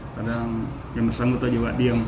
kadang jam bersama atau juga diam